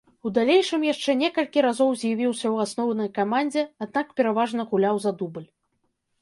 У далейшым яшчэ некалькі разоў з'явіўся ў асноўнай камандзе, аднак пераважна гуляў за дубль.